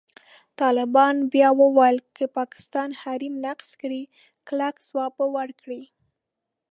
طالبان بیا وویل، که پاکستان حریم نقض کړي، کلک ځواب به ورکړي.